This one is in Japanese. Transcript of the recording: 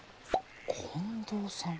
近藤さん。